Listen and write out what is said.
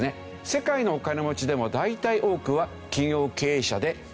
世界のお金持ちでも大体多くは企業経営者で大株主。